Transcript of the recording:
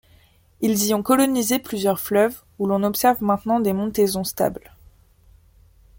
Ils y ont colonisé plusieurs fleuves où l'on observe maintenant des montaisons stables.